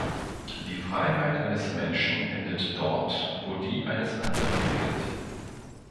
Die Freiheit eines Menschen endet dort, wo die eines anderen beginnt.